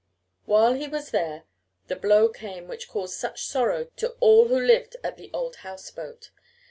While he was there the blow came which caused such sorrow to all who lived in the old house boat.